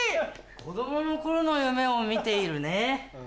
子供の頃の夢を見ているね。